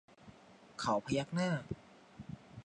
เขาพยักหน้า